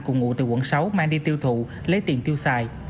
cùng ngụ từ quận sáu mang đi tiêu thụ lấy tiền tiêu xài